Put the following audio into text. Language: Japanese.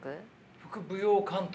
副舞踊監督。